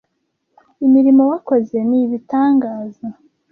imirimo wakoze ni ibitangaza,